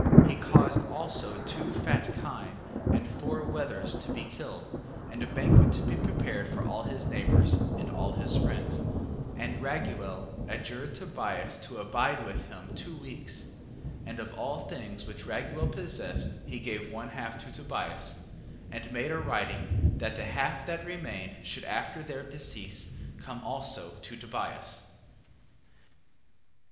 8:22. He caused also two fat kine, and four wethers to be killed, and a banquet to be prepared for all his neighbours, and all his friends, 8:23. And Raguel adjured Tobias, to abide with him two weeks. 8:24. And of all things which Raguel possessed, he gave one half to Tobias, and made a writing, that the half that remained should after their decease come also to Tobias.